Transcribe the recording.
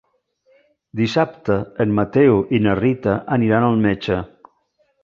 Dissabte en Mateu i na Rita aniran al metge.